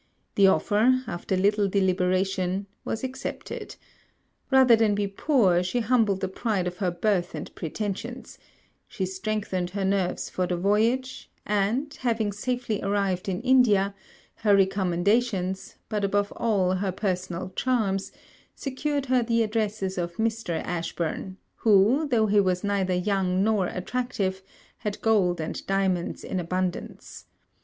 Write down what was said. The offer, after little deliberation, was accepted. Rather than be poor, she humbled the pride of her birth and pretensions; she strengthened her nerves for the voyage; and, having safely arrived in India, her recommendations, but above all her personal charms, secured her the addresses of Mr. Ashburn, who, though he was neither young nor attractive, had gold and diamonds in abundance.